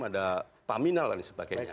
ada paminal dan sebagainya